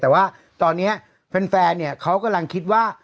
แต่ว่าตอนนี้แฟนเนี่ยเขากำลังคิดว่า